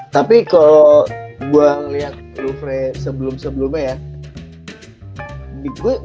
tapi kalo gue liat lufre sebelum sebelumnya ya